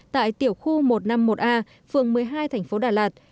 tại tiểu khu một trăm năm mươi một a phương một mươi hai tp đà lạt